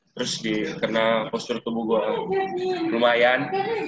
terus karena postur tubuh gue lumayan